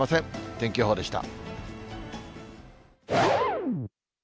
天気予報でした。